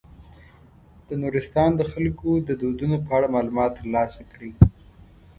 د نورستان د خلکو د دودونو په اړه معلومات تر لاسه کړئ.